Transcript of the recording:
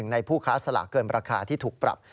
ในผู้ค้าสลากเกินราคาที่ถูกปรับ